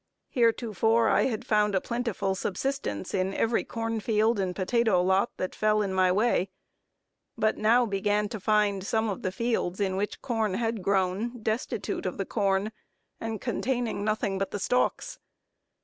Heretofore I had found a plentiful subsistence in every corn field and potato lot, that fell in my way; but now began to find some of the fields in which corn had grown, destitute of the corn, and containing nothing but the stalks.